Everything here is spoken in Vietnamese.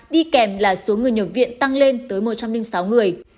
đi kèm là số người nhập viện tăng lên tới một trăm linh sáu người